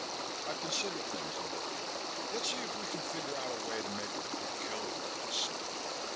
I considered things a bit. "Let's see if we can figure out a way to make a quick killing," I said.